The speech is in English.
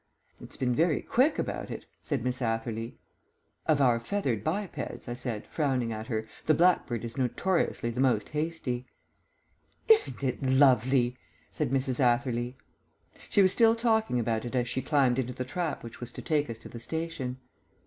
"It's been very quick about it," said Miss Atherley. "Of our feathered bipeds," I said, frowning at her, "the blackbird is notoriously the most hasty." "Isn't it lovely?" said Mrs. Atherley. She was still talking about it as she climbed into the trap which was to take us to the station.